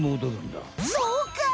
そうか！